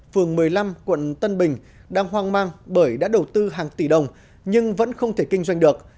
phường một mươi năm quận tân bình đang hoang mang bởi đã đầu tư hàng tỷ đồng nhưng vẫn không thể kinh doanh được